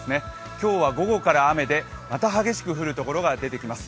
今日は午後から雨で、また激しく降る所が出てきます。